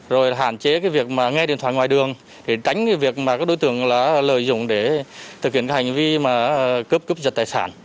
rồi hạn chế việc nghe điện thoại ngoài đường tránh việc các đối tượng lợi dụng để thực hiện hành vi cướp cướp giật tài sản